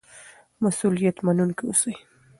مسؤلیت منونکي اوسئ.